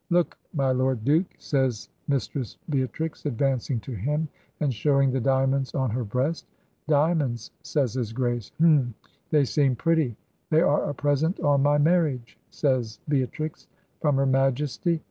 'Look, my Lord Duke,' says Mistress Bea trix, advancing to him and showing the diamonds on her breast. 'Diamonds,' says his Grace. 'H'm! They seem pretty.' ... 'They are a present on my marriage,' says Beatrix. 'From her Majesty?'